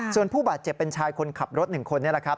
ส่วนผู้บาดเจ็บเป็นชายคนขับรถ๑คนนี่แหละครับ